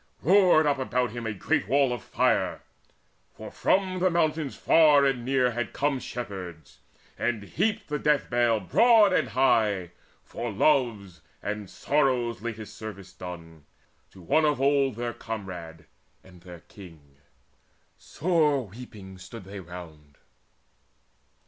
Roared up about him a great wall of fire; For from the mountains far and near had come Shepherds, and heaped the death bale broad and high For love's and sorrow's latest service done To one of old their comrade and their king. Sore weeping stood they round.